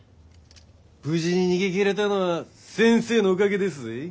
無事に逃げ切れたのは先生のおかげですぜ。